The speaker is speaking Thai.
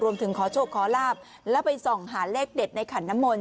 รวมถึงขอโชคขอลาบแล้วไปส่องหาเลขเด็ดในขันนมล